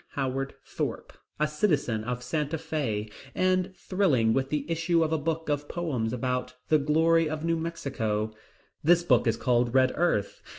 Howard Thorp, a citizen of Santa Fe, and thrilling with the issuing of a book of poems about the Glory of New Mexico. This book is called Red Earth.